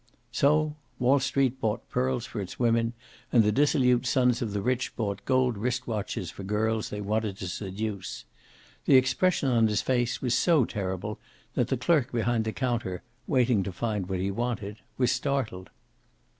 So Wall Street bought pearls for its women, and the dissolute sons of the rich bought gold wrist watches for girls they wanted to seduce. The expression on his face was so terrible that the clerk behind the counter, waiting to find what he wanted, was startled.